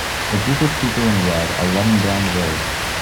A group of people in red are running down the road